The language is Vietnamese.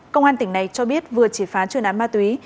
công an tỉnh này cho biết vừa chỉ phá chuyên án ma túy